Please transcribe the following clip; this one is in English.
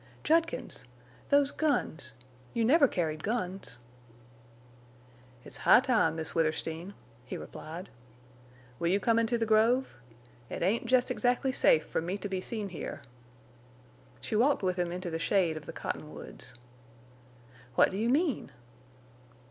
"Judkins! Those guns? You never carried guns." "It's high time, Miss Withersteen," he replied. "Will you come into the grove? It ain't jest exactly safe for me to be seen here." She walked with him into the shade of the cottonwoods. "What do you mean?"